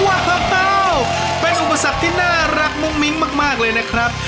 เป็นอุปสรรคที่น่ารักมุ้งมิ้งมากเลยนะครับ